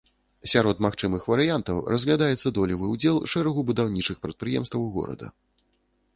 Сярод магчымых варыянтаў разглядаецца долевы ўдзел шэрагу будаўнічых прадпрыемстваў горада.